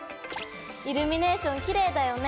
イルミネーションきれいだよね。